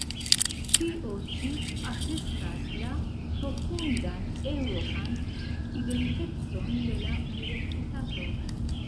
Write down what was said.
Tio ĉi atestas la profundan eŭropan identecon de la Universitato.